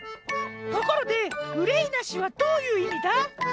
ところで「うれいなし」はどういういみだ？